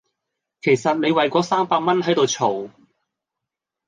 其實你為嗰三百蚊喺度嘈